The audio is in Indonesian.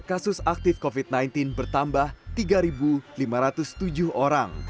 kasus aktif covid sembilan belas bertambah tiga lima ratus tujuh orang